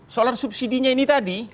solar subsidi nya ini tadi